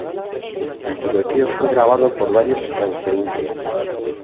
El tiroteo fue grabado por varios transeúntes.